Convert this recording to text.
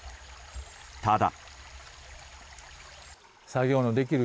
ただ。